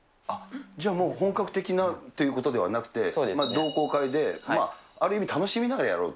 じゃあもう、本格的なということではなくて、同好会で、ある意味、楽しみながらやろうと。